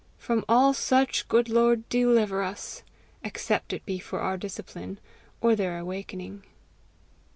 From all such, good Lord deliver us! except it be for our discipline or their awaking.